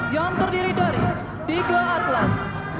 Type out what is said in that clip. yang terdiri dari tiga atlas